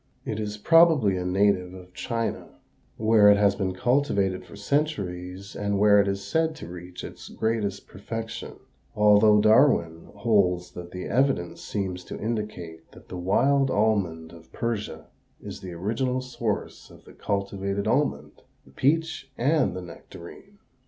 It is probably a native of China, where it has been cultivated for centuries and where it is said to reach its greatest perfection, although Darwin holds that the evidence seems to indicate that the wild almond of Persia is the original source of the cultivated almond, the peach, and the nectarine.